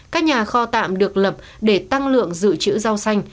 các nhà kho tạm được lập để tăng lượng dự trữ rau xanh